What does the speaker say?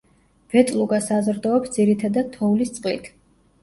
ვეტლუგა საზრდოობს ძირითადად თოვლის წყლით.